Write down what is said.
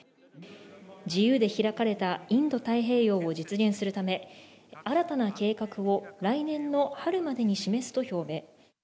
自由で開かれたインド太平洋を実現するため、新たな計画を来年の春までに示すと表明。